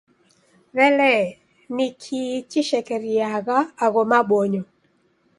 W'elee, nikii chishekeriagha agho mabonyo?